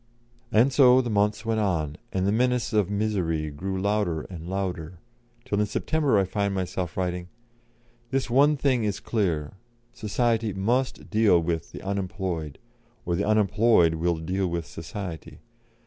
And so the months went on, and the menace of misery grew louder and louder, till in September I find myself writing: "This one thing is clear Society must deal with the unemployed, or the unemployed will deal with Society.